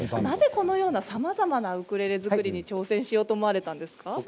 なぜ、このようなさまざまなウクレレ作りに挑戦しようと思われたんですか？